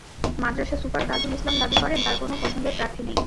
মাদ্রাসা super Tajul Islam দাবি করেন, তাঁর কোনো পছন্দের প্রার্থী নেই।